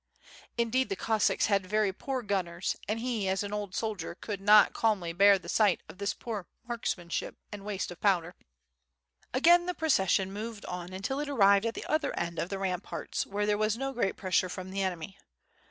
Indeed the Cossacks had very poor gunners and hQ $is ?in old soldier could not calmly WITH FIRE AND SWORD. y03 l»c*ar the sight of this poor markmanship and waste of powder. ^Vgain the procession moved on until it arrived at the other Olid of the ramparts where there was no great pressure from tl\e enemy.